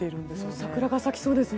桜が咲きそうですね。